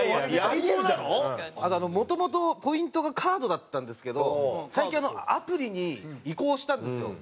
あともともとポイントがカードだったんですけど最近アプリに移行したんですよ。